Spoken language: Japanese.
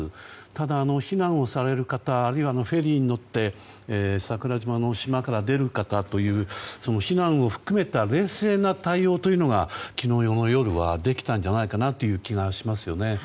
ただ、避難をされる方あるいはフェリーに乗って桜島の島から出る方という、避難を含めた冷静な対応というのが昨日の夜はできたんじゃないかなという気がしますよね。